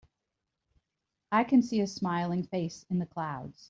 I can see a smiling face in the clouds.